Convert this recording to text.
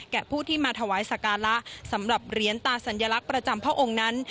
ผู้ที่มาถวายสการะสำหรับเหรียญตาสัญลักษณ์ประจำพระองค์นั้น